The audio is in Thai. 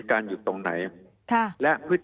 มีความรู้สึกว่ามีความรู้สึกว่า